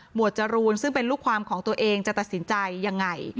จรูนซึ่งเป็นลูกความของตัวเองจะตัดสินใจยังไง